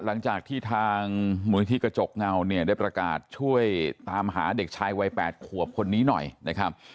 หลังจากที่ทางมูลนิธิกระจกเงาเนี่ยได้ประกาศช่วยตามหาเด็กชายวัย๘ขวบคนนี้หน่อยนะครับ